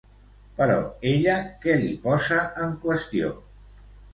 Però ella què li posa en qüestió?